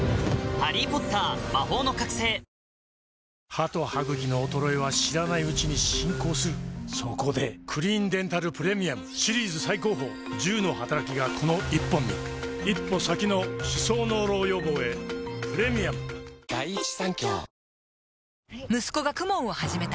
歯と歯ぐきの衰えは知らないうちに進行するそこで「クリーンデンタルプレミアム」シリーズ最高峰１０のはたらきがこの１本に一歩先の歯槽膿漏予防へプレミアム息子が ＫＵＭＯＮ を始めた